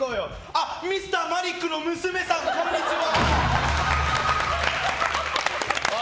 あ、Ｍｒ．マリックの娘さんこんにちは。